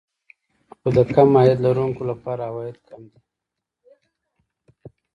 خو د کم عاید لرونکو لپاره عواید کم دي